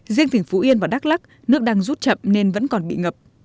riêng tỉnh phú yên và đắk lắc nước đang rút chậm nên vẫn còn bị ngập